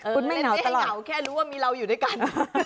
คุณไม่ได้ให้เหงาแค่รู้ว่ามีเราอยู่ด้วยกัน